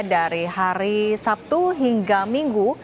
dari hari sabtu hingga minggu